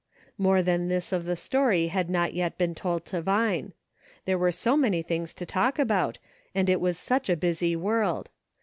More than this of the story had not yet been told to Vine. There were so many things to talk about, and it was such a busy world.